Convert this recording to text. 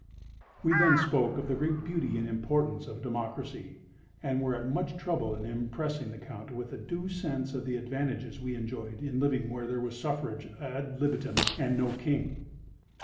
We then spoke of the great beauty and importance of Democracy, and were at much trouble in impressing the Count with a due sense of the advantages we enjoyed in living where there was suffrage ad libitum, and no king.